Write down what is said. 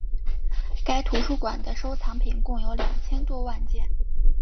该图书馆的收藏品共有两千多万件。